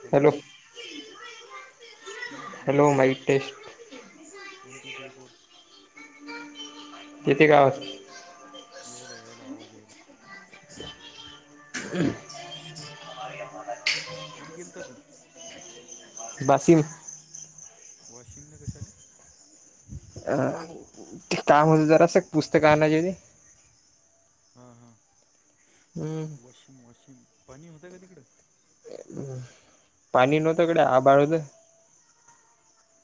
Hello मग नॅनो hello mic test one two three four किती [inaudible] यायला यायला आवाज यायला. [unintelligible] कुठ गेल ता तू बासिम वाशिम ला कशाले. अ काम होत जरास एक पुस्तक आणायची होती. हा हा हम्म वॉशिंग वॉशिंग पाणी होतंय का तिकडं हम् पाणी नवत इकड आभाळ होतं.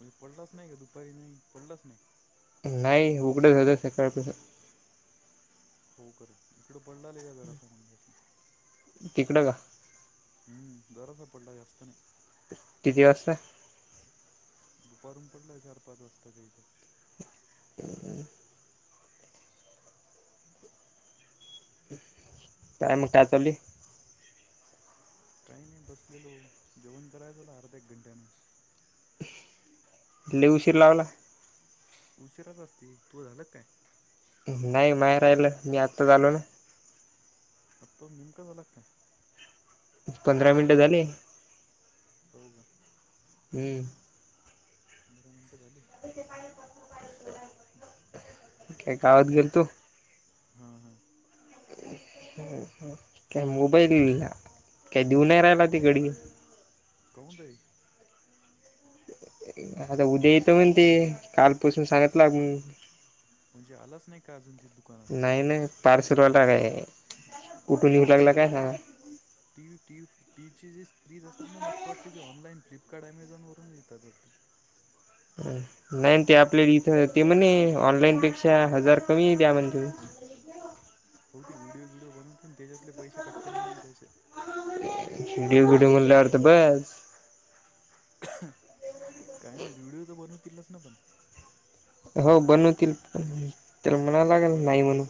म्हणजे पडलाच नाही का दुपारी नाही पडलाच नाही. नाही उघडं झाल सकाळ पासून हो करे इकडं पडलाले का जरासा मंगाशी तिकडे का ह ोरासापडला जास्त नाही किती वाजता दुपारून पडला चार पाच वाजताच्या्याच्यात हम काय म्ह टचोली काही नाही बसलेलो जेवण करायचं आता अर्ध्या एक घंट्यान लई उशीर तो लावला उशिराच असते तू झाला काय. नाही माहे राहिलं मी आत्ता लो आत्ता निम् का झाला काय पंधरा मिनिट झाले. हो का. हम पंधरा मिनटं झालीत. [inaudible] गावात गेल तो. हा हा काय मोबाईल काय देऊ नाय राहिला त घरी कोन तई आता उद्या येतं म्हण ते कालपसून सांगत लागू. म्हणजे आलाच नाही का अजून त नाही नाही पारश रवायला काय आहे कुठून येऊ ते लागला मला काय सांगा टी ट टीची जे सिरीज असतात ना मला वाटते ते ऑनलाईन फ्लिपकार्ट अमेझॉन वरून येतात वाटते. नाही ते आपल्याला इथं ते म्हणे ऑनलाईन पेक्षा हजार कमी आहे त्या म्हण त होती व्हडिओ व्हिडिओ बनूनते त्याच्यातले पैसे कट्टते मग त्याचे गिवगुडी म्हणल्याडत बस काय माहित व्हिडिओ तर बनवतीलच ना पण हो बनवतील पण त्याला म्हणायला लागेल बरं नाही म्हणून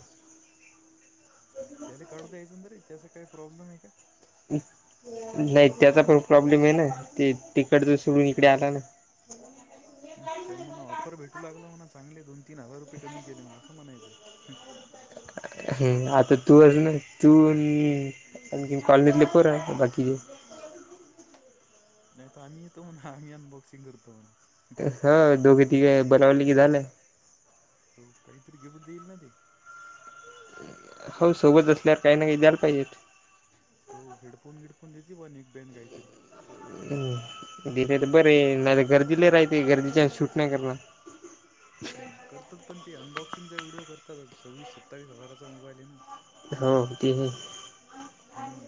त्याला काढू द्यायच ना त त्याचा काही प्रॉब्लेम आहे का नाही त्याचा पण प्रॉब्लेम आहे ना ते तिकडच सोडून इकडे आला ना [unintelligible] ह त्याला म्हणा ऑफर भेटू लागला म्हणा, चांगले दोन तीन हजार रुपये कमी केले, म्हणा असं म्हणायचं. हम् आता तू [inaudible] तू. आणखी कॉलनीतले पोर आहे बाकीचे. [inaudible] हो दोघे तिघे बनवली की झालं. हो काहीतरी [inaudible] देईल ना ते. हो सोबत असल्यावर काही ना काही द्यायला पाहिजेत. हो हेडफोन गिडफोन देते बुवा न एक पेन काहीतरी. हम दिले तर बरे नाही गर्दीले राहते गर्दीच्या शूट नाही करण हम करतात पण ते अनबॉक्सिंगचा व्हिडिओ करतात, सव्वीस सत्तावीस हजाराचा मोबाईल आहे ना. हो [inaudible] हम्म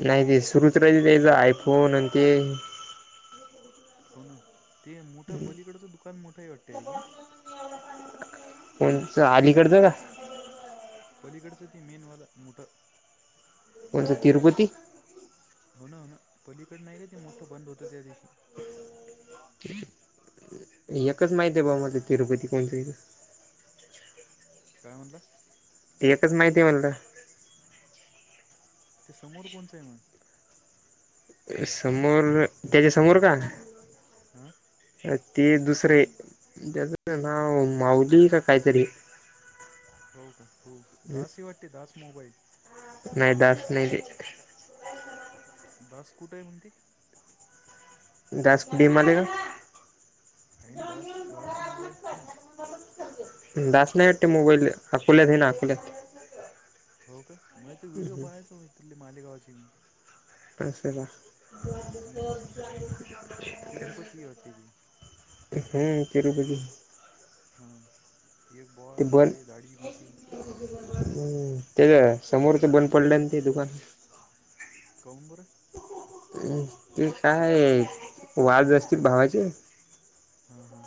नाही ते सुरूच राहिते, त्याचा आयफोन आणि ते. हो ना ते मोठा पलीकडचं दुकान मोठा वाटते आहे की नाही. [inaudible] अलीकडचं का. पलीकडचं ते मेनवालं मोठं. कोणच तिरुपती. हो ना. हो ना. पलीकड नाही का ते मोठं बंद होतं त्या दिवशी. एकच माहिते बाऊ मला तिरुपती कोणच ते. काय म्हनला. एकच माहिती आहे म्हणल. ते समोर कोणचे म. समोर त्याच्या समोर का आ. ते दुसरे त्याच नाव माउली की कायतरी हो का. हो. दासी वाटते दास मोबाईल. नाही दास नाही ते. दास कुठे आहे म्हणते? [unintelligible] ह ना दास दास मोबाईल ना. [unintelligible] दास नाही वाटते मोबाईल अकोल्यात हे ना अकोल्यात. हो का, मला त व्हिडिओ पाहायचो म इथुले मालेगावाची मी. [unintelligible] हम. तिरूपती वाटते ते. हम. तिरुपती. हा त एक बॉस आहे, दाढी, मिशी. हम्म, त्याच्या समोरच बंद पडले न ते दुकान. का हून बर. ते काय, वाद असतील भावाचे. हा हा.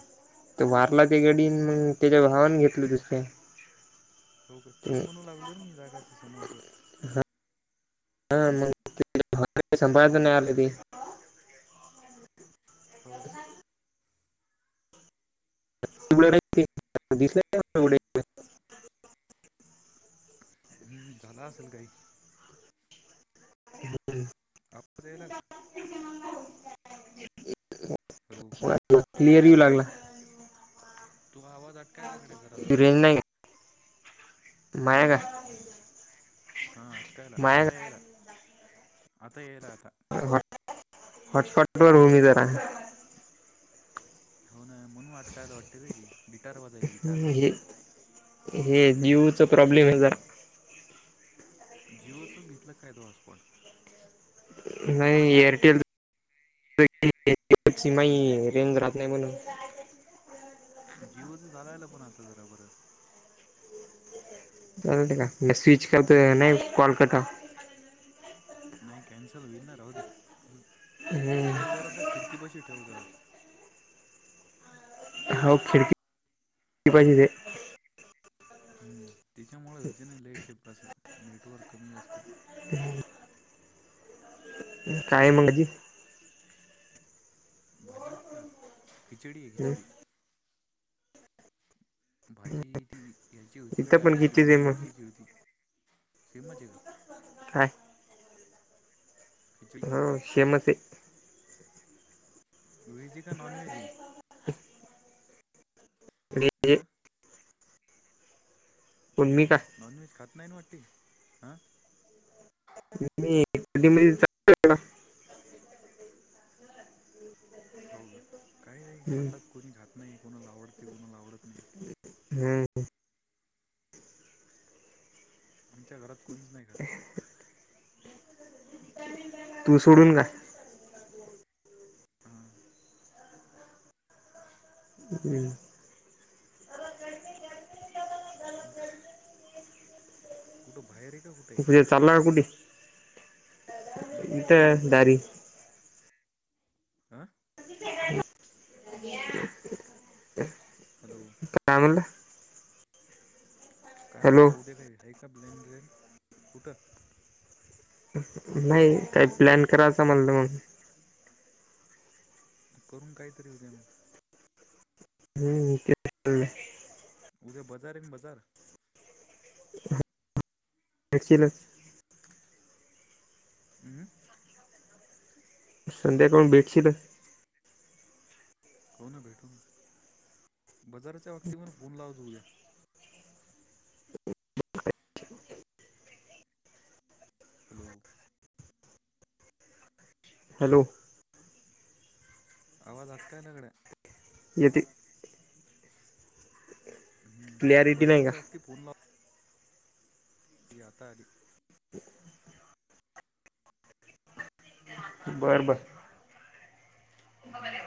ते वारला ते गडीन मग त्याच्या भावाने घेतलं दुसर. हो का तेच म्हणू लागलो र मी जागा ती समोरचं. [unintelligible] सांभाळता नई आलं ते. हो का. [unintelligible] हम्म, झाला असेल काही. [inaudible] [unintelligible] [unintelligible] क्लिअर येऊ लागला. तू आवाज आ. कायला कडे जरा जरा रेंज नाही माया हम्. का हा अटकायला माया आता यायला आता यायला आता हॉटस्पॉट वर भूमी जरा हो ना म्हणून वाटकायला वाटते रे ती गिटार वाजायली गिटार हे हे जू जिओचंच घेतलं काय तू हॉटस्पॉट नाही एअरटेल सिमा हम्म रेंज जात नाही म्हणून जीओचं चालायला पण आता जरा बरं चाल का नाही स्विच करत नाही कॉलकटा नाही कॅन्सल होईल ना राह दे त मोबाईल जरासा खिडकीपाशी ठेवू जरा हो खिडकी पाहिजे ते हम्म त्याच्यामुळेच हते नाही ल खेपं नेटवर्क कमी जास्त हम् काय म्हड की भाजी का खिचडीि आहे खिचडी भाजी ती घ्यायची होती इथं कड्या पण कितीच आहे शिमला मग मिरचीची होती सेमच आहे का हा खिचडी हो श्रीमती. वेज का नॉन वेज आहे. [unintelligible] अ ज [unintelligible] पण मी व्हेज काय का नॉन व्हेज खात नाही ना वाट हा. मी कधी हो का काही नाही हम्म, खातात कोणी खात नाही कोणाला आवडते कोणाला आवडत नाही हम्म आमच्या घरात कोणीच नाही खात तू सोडून का हां हम्म हम्म कुठं बाहेर आहे का कुठे आहे चालला का कुठे नाहीे उद्या कुठ इथं नाही दारी आं [inaudible] अ्या हॅलो काॅमल काय हॅलो म्हणलं उद्या काही हायका ब्लेन ग्लेन कुठं नाही काही प्लॅन करायचा मला मग करून कायतरी हो गे म्हग हम्म ते उद्या बाजार एन बाजार नक्सलस हं संध्याकाळून भेटशील हो ना भेटू ना बाजाराच्या बाक्तीवरून फोन लाव जाऊद्या हॅलो हॅलो आवाज अटकाय नगड्या य हम्म क्लॅरिटी नाही बजारच्या का बाबती फोन ला याताारी बरं बरं हम्म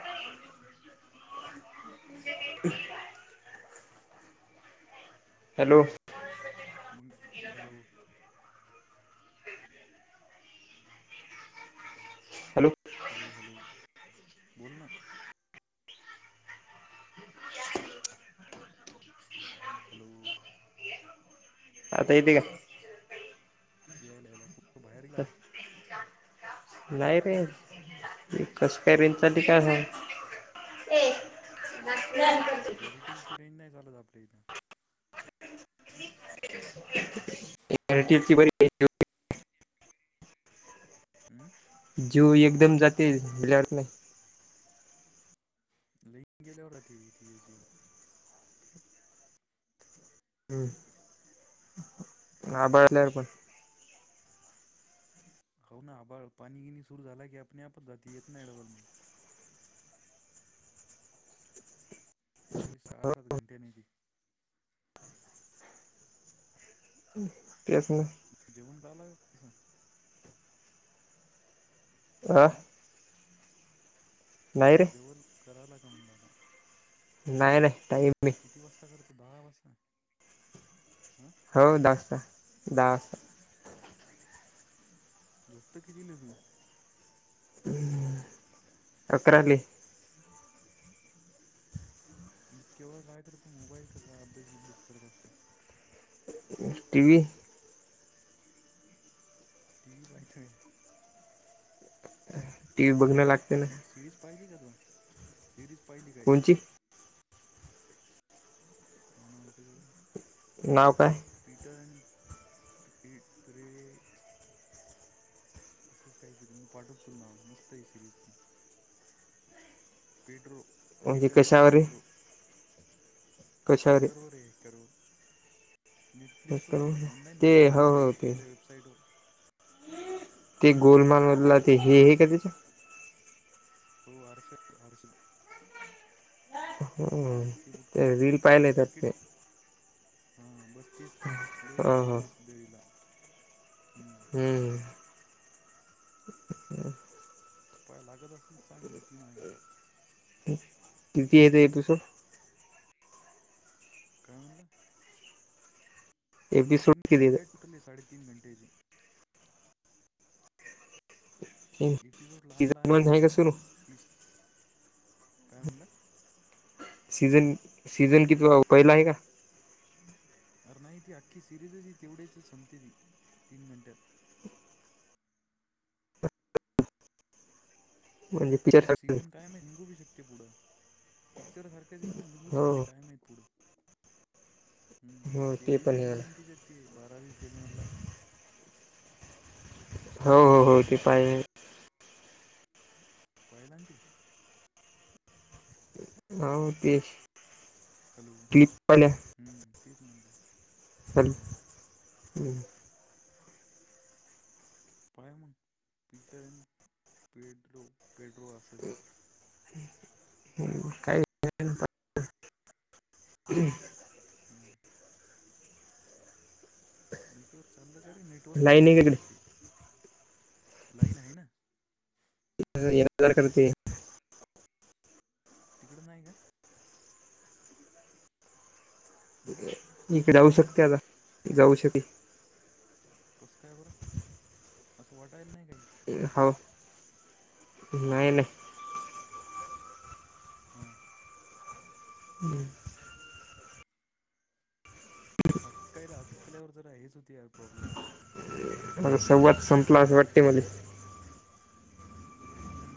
हॅलो म हॅलो हॅलो हॅलो हॅलो बोल ना हॅलो आता इ का यायला याला त बाहेर गेला का नाही रे कसं काय रेन चाल काय ह एरिटेल ची रेंज नाही चालत आपल्या इथं रटीएल ची बरी हमं जीव एकदम जाते भल्या वाटत नाही ल गेले हो राती त जी हा हां बल्यार पण हो ना आबा पाणी गिणी सुरू झाला की आपण आपच जाती येत ना डवल मग एक सहा सात घंटे नाही ती पस नाही जेवण का लाग तसं आ हम्म नाही रे जेवल करायला का म्हणलाता नाही नाही टाईम किती वाजता करतो दहा वाजता हं हो द द झोपत कितीलं तू अकराली केवळ काय करत मोबाईल का अभ्यास अभ्यास करत असतात टि वी टी वी पाहिथ टी व्ही बघणं ते लागते प ना सिरीज पाहिली का तु सिरीज पाहिली काय कोणची काय नावतेकडे नाव काय पीटर प्रे असंच काहीतरी मी पाठवत ना मस्त आहे सिरीजी पिडरू म्हणजे पीटर अन कशावर पेड्रो आहे कशावर आहे हेकरवरर एे हेकरवर नेटफ्लिक्स वर हे ऑनलाईन भेटते ना ते आपल्या वेबसाईट वर ते गोलमालमधला ते हे हे का त्याच्या हो अरश अरश ह ते बुटकं बुटकं रील पाहिले तर ते सर्किट हां बस तस तस लले हो हो चालू आहेसधरला ह् हम्म अ पय लागत असलीच चांग होती माझ्याकडं कती आहेेत एपसो काय म्हणलं एपिसोड तीन किती येत घंटे टोटल आहे साडे तीन घंटेचीी एपिसोड लहान सीझन लहान आहेत वन आहे का त्याची सुरू तीस काय म्हणलं सीझन सीझन किती पहिला आहे का अरे नाही ती अख्खी सिरीजच ती तेवढेच संपते ती तीन घंट्यात म्हणजित सीझन कायम आहे निघू बी शकते पुढं पिक्चर सारखंच आहे पण निघू हो शकते कायम आहे पुढं हम् हो ती ते पण हवी आहे मला हिरोईन तिच्या त बारावी फिल्मधला हो हो हो ते पाय आहे पळला त ह तेश हॅलो हम्म तेच म्हणलं हॅलो हां पाय म्हून पीटर अन पेड्रो पेड्रो असा जे हम्म काही ह हम नेटवर्क चाललं का रे नेटवर्क राय लाईन ना आहे नाही का वाटी लाईन आहे ना जर करती तिकड नाही का हमम इकडे जाऊ शकते आता जाऊ शके कसं काय बरं असं वाटायला नाही काही हो नाही नाही हा ह् अटकायला अटकल्यावर तर हेच होती या प्रॉब्लेम म संवाद संपला असं वाटते मला हम्म